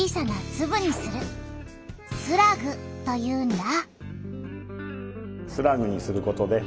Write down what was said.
「スラグ」というんだ。